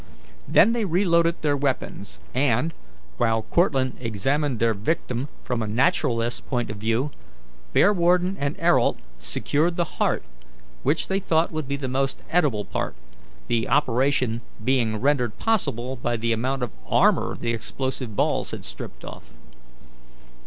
They then reloaded their weapons and, while Cortlandt examined their victim from a naturalist's point of view, Bearwarden and Ayrault secured the heart, which they thought would be the most edible part, the operation being rendered possible by the amount of armour the explosive balls had stripped off.